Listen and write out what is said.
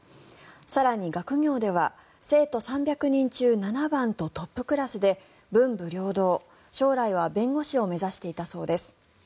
更に学業では生徒３００人中７番とトップクラスで文武両道、将来は弁護士を目指していたそうです。